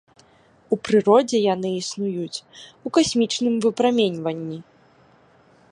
У прыродзе яны існуюць у касмічным выпраменьванні.